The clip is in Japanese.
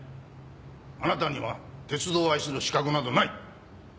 あなたには鉄道を愛する資格などない。